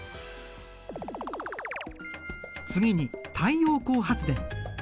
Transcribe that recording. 次に太陽光発電。